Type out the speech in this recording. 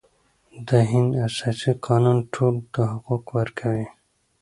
د هند اساسي قانون ټولو ته حقوق ورکوي.